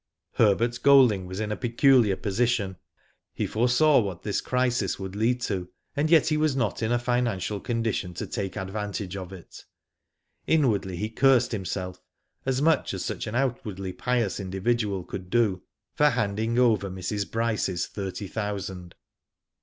Herbert Golding was in a peculiar position. He foresaw what this crisis would lead to, and yet he was not in a financial condition to take advantage of it. Inwardly he cursed himself, as much as sucl) Digitized byGoogk SIGNS OF THE TIMES. 207 an outwardly pious individual could do, for handing over Mrs. Bryce^s thirty thousand.